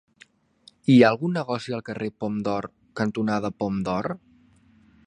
Hi ha algun negoci al carrer Pom d'Or cantonada Pom d'Or?